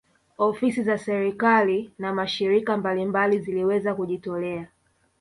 Ofisi za serikali na mashirika mbalimbali ziliweza kujitolea